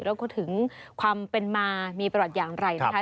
แล้วก็ถึงความเป็นมามีประวัติอย่างไรนะคะ